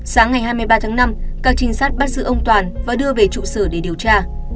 sáng ngày hai mươi ba tháng năm các trinh sát bắt giữ ông toàn và đưa về trụ sở để điều tra